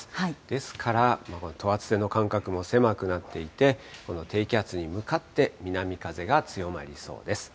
ですから、等圧線の間隔も狭くなっていて、この低気圧に向かって、南風が強まりそうです。